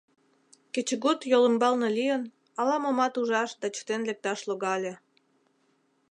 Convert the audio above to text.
Кечыгут йолымбалне лийын, ала-момат ужаш да чытен лекташ логале.